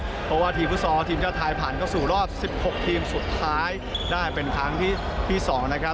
เพราะว่าทีมฟุตซอลทีมชาติไทยผ่านเข้าสู่รอบ๑๖ทีมสุดท้ายได้เป็นครั้งที่๒นะครับ